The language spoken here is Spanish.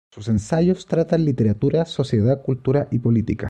Sus ensayos tratan literatura, sociedad, cultura y política.